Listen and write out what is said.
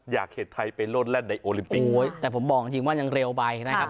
อยากเห็นไทยเป็นรถแร่นในโอลิมปิงโอ้ยแต่ผมบอกจริงจริงว่ายังเร็วไปนะครับ